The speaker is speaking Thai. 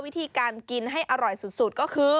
วิธีการกินให้อร่อยสุดก็คือ